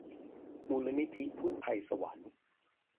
มูลนิธิพุทไธศวรรค์